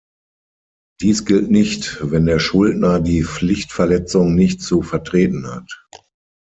Dies gilt nicht, wenn der Schuldner die Pflichtverletzung nicht zu vertreten hat.